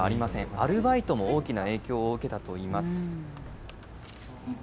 アルバイトも大きな影響を受けたといいます。